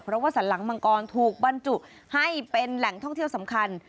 เพราะว่าสันหลังมังกรถูกบรรจุให้เป็นแหล่งท่องเที่ยวสำคัญ